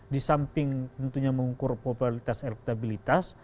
di samping tentunya mengukur popularitas elektabilitas